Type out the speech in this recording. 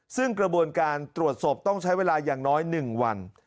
ซึ่งกระบวนการตรวจศพต้องใช้เวลาอย่างน้อย๑วัน